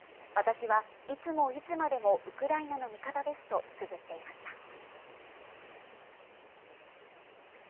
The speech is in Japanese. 私はいつも、いつまでもウクライナの味方ですとつづっていました。